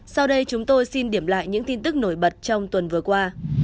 sau đây chúng tôi xin điểm lại những tin tức nổi bật trong tuần vừa qua